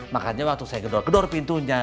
makanya waktu saya gedor gedor pintunya